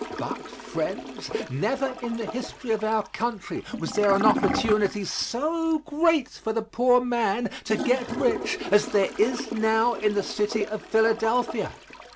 But, friends, never in the history of our country was there an opportunity so great for the poor man to get rich as there is now in the city of Philadelphia.